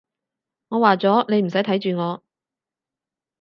我話咗，你唔使睇住我